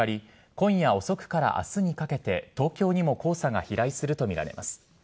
今夜遅くから明日にかけて東京にも黄砂が飛来するとみられます。